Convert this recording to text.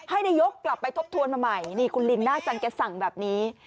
ให้นายกกลับไปทบทวนมาใหม่นี่คุณลินน่าจันทร์แกสั่งแบบนี้